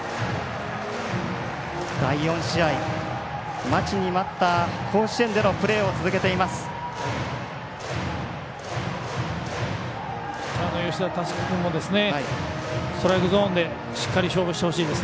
第４試合、待ちに待った甲子園でのプレーを続けています。